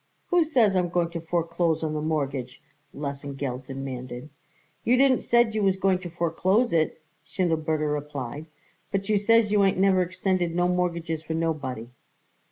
"Who says I'm going to foreclose the mortgage?" Lesengeld demanded. "You didn't said you was going to foreclose it," Schindelberger replied, "but you says you ain't never extended no mortgages for nobody."